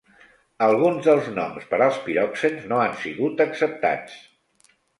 Alguns dels noms per als piroxens no han sigut acceptats.